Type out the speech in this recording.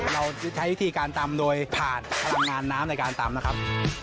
เราใช้วิธีการตำโดยผ่านพลังงานน้ำในการตำนะครับ